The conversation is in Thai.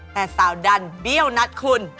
แต่สาวดันเบี้ยวนัดคุณ